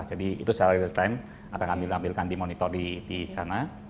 jadi itu secara real time akan kami tampilkan di monitor di sana